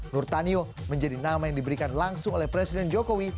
nurtanio menjadi nama yang diberikan langsung oleh presiden jokowi